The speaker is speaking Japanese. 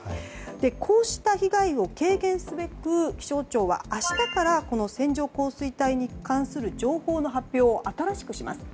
こうした被害を軽減すべく気象庁は明日からこの線状降水帯に関する情報の発表を新しくします。